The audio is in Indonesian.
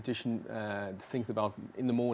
tidak hanya di eropa